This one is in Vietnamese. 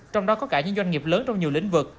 trong đó có cả những doanh nghiệp lớn trong nhiều lĩnh vực